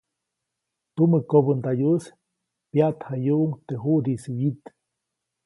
Tumä kobändayuʼis pyaʼtjayuʼuŋ teʼ juʼdiʼis wyit.